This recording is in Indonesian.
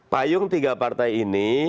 payung tiga partai ini